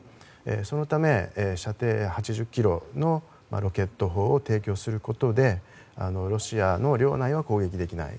そのため、射程８０ｋｍのロケット砲を提供することで、ロシアの領内は攻撃できない。